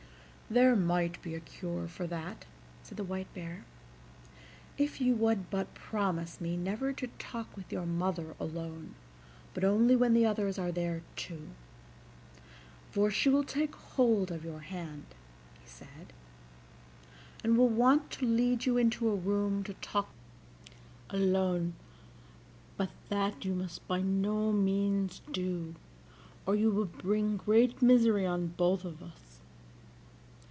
"There might be a cure for that," said the White Bear, "if you would but promise me never to talk with your mother alone, but only when the others are there too; for she will take hold of your hand," he said, "and will want to lead you into a room to talk with you alone; but that you must by no means do, or you will bring great misery on both of us."